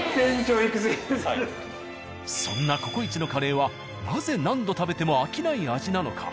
そんな「ココイチ」のカレーはなぜ何度食べても飽きない味なのか。